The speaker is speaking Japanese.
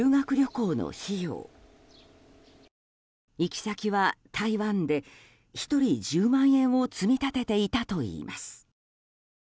行き先は台湾で、１人１０万円を積み立てていたといいます。